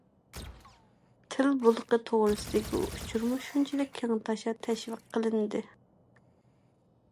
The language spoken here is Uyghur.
تىل بولىقى توغرىسىدىكى ئۇچۇرمۇ شۇنچىلىك كەڭتاشا تەشۋىق قىلىندى.